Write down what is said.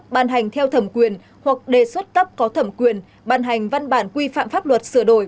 ban hành theo thẩm quyền hoặc đề xuất tấp có thẩm quyền ban hành văn bản quy phạm pháp luật sửa đổi